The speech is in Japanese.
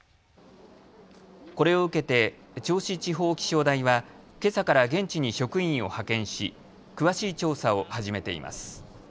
これを受けて銚子地方気象台はけさから現地に職員を派遣し詳しい調査を始めています。